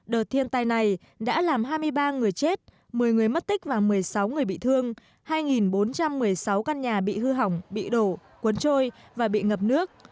đợt thiên tai này đã làm hai mươi ba người chết một mươi người mất tích và một mươi sáu người bị thương hai bốn trăm một mươi sáu căn nhà bị hư hỏng bị đổ cuốn trôi và bị ngập nước